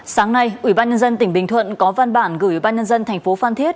sáng nay ủy ban nhân dân tỉnh bình thuận có văn bản gửi ủy ban nhân dân thành phố phan thiết